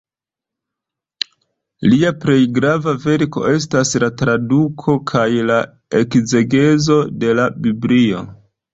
Lia plej grava verko estas la traduko kaj la ekzegezo de la Biblio.